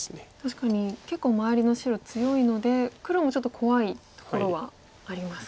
確かに結構周りの白強いので黒もちょっと怖いところはありますか。